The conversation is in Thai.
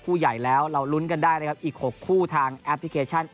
ใหญ่แล้วเราลุ้นกันได้นะครับอีก๖คู่ทางแอปพลิเคชัน